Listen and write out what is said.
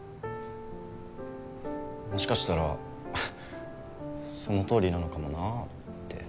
もしかしたらそのとおりなのかもなって。